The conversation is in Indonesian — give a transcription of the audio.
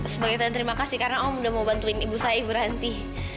sebagai tanda terima kasih karena om udah mau bantuin ibu saya berhenti